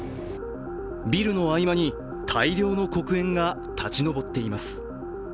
ビルの合間に大量の黒煙が立ち上っています。